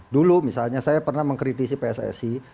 dulu misalnya saya pernah mengkritisi pssi